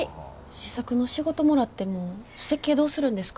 試作の仕事もらっても設計どうするんですか？